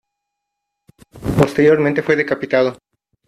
Posteriormente fue decapitado.